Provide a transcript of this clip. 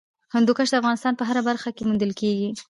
هندوکش د افغانستان په هره برخه کې موندل کېږي.